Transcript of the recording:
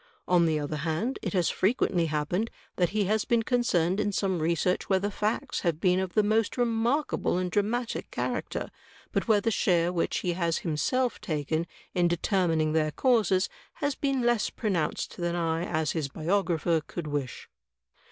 On the other hand, it has frequently happened that he has been concerned in some research where the facts have been of the most remarkable and dramatic character, but where the share which he has himself taken in determining their causes has been less pronoimced than I, as his biographer, could wish.